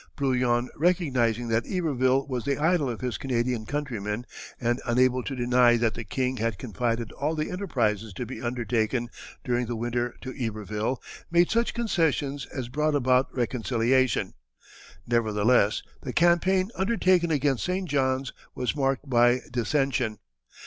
Brouillan recognizing that Iberville was the idol of his Canadian countrymen, and unable to deny that the king had confided all the enterprises to be undertaken during the winter to Iberville, made such concessions as brought about reconciliation; nevertheless the campaign undertaken against St. John's was marked by dissension.